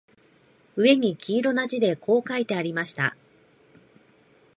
上に黄色な字でこう書いてありました